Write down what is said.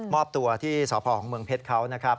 อบตัวที่สพของเมืองเพชรเขานะครับ